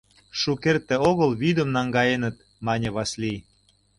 — Шукерте огыл вӱдым наҥгаеныт, — мане Васлий.